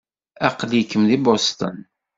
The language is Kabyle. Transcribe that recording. Aql-ikem deg Boston.